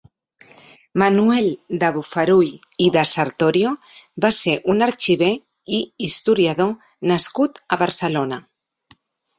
Manuel de Bofarull i de Sartorio va ser un arxiver i historiador nascut a Barcelona.